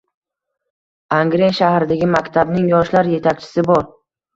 Angren shahridagi maktabning yoshlar yetakchisi bor